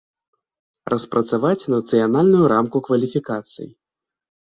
Распрацаваць нацыянальную рамку кваліфікацый.